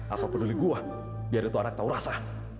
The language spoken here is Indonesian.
apa peduli gue biar dia tuh anak tahu rasa